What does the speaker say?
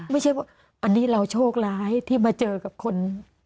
ไม่ใช่ว่าอันนี้เราโชคร้ายที่มาเจอกับคน